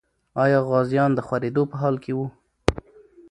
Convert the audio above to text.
آیا غازیان د خورېدو په حال کې وو؟